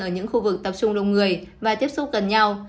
ở những khu vực tập trung đông người và tiếp xúc gần nhau